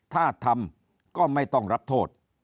ถ้าทำก็ไม่ต้องรับโทษ